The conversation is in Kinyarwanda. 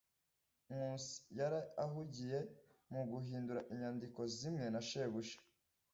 Nkusi yari ahugiye mu guhindura inyandiko zimwe na shebuja.